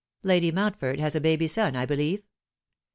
Lady Mountford has a baby son, I believe?"